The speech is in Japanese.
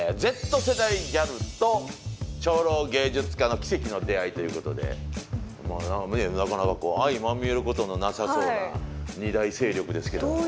Ｚ世代ギャルと超老芸術家の奇跡の出会いということでなかなかこう相まみえることのなさそうな二大勢力ですけども。